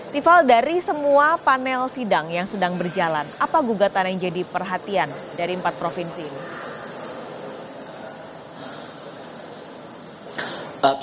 tiffal dari semua panel sidang yang sedang berjalan apa gugatan yang jadi perhatian dari empat provinsi ini